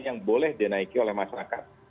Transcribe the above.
yang boleh dinaiki oleh masyarakat